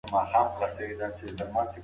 واک په ظاهره قانوني بڼه واخیسته.